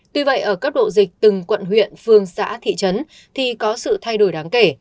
tuy vậy ở cấp độ dịch từng quận huyện phường xã thị trấn thì có sự thay đổi đáng kể